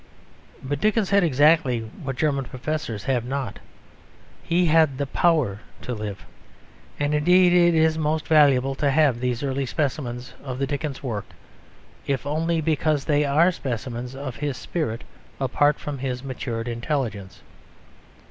But Dickens had exactly what German professors have not: he had the power to live. And indeed it is most valuable to have these early specimens of the Dickens work if only because they are specimens of his spirit apart from his matured intelligence.